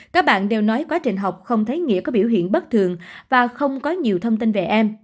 các bạn đều nói quá trình học không thấy nghĩa có biểu hiện bất thường và không có nhiều thông tin về em